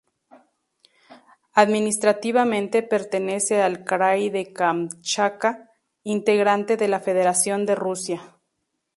Administrativamente, pertenece al krai de Kamchatka, integrante de la Federación de Rusia.